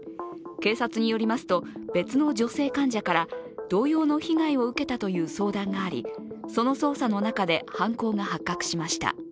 警察によりますと、別の女性患者から同様の被害を受けたという相談があり、その捜査の中で犯行が発覚しました。